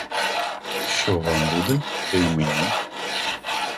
Що вам буде, те й мені.